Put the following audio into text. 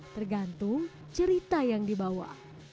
tergantung cerita yang dibawa